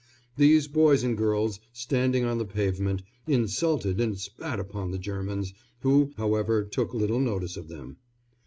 These boys and girls, standing on the pavement, insulted and spat upon the Germans, who, however, took little notice of them.